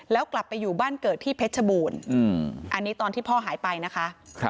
แล้วกลับไปอยู่บ้านเกิดที่เพชรบูรณ์อันนี้ตอนที่พ่อหายไปนะคะ